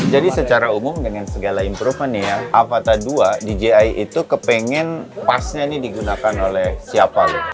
jadi secara umum dengan segala improvement nih ya avata dua dji itu kepengen pasnya nih digunakan oleh siapa lu